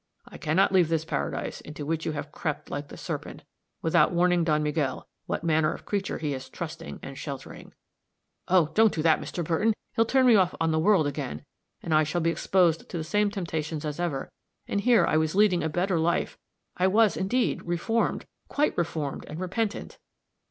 I can not leave this Paradise, into which you have crept like the serpent, without warning Don Miguel what manner of creature he is trusting and sheltering." "Oh, don't do that, Mr. Burton! He'll turn me off on the world again, and I shall be exposed to the same temptations as ever and here I was leading a better life I was indeed reformed, quite reformed and repentant."